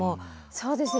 そうですね。